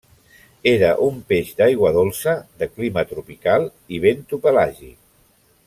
Era un peix d'aigua dolça, de clima tropical i bentopelàgic.